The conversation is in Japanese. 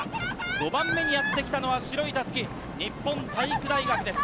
５番目にやってきたのは白い襷、日本体育大学です。